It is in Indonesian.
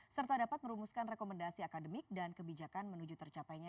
serta dapat merumuskan rekomendasi akademik dan kebijakan menuju tercapainya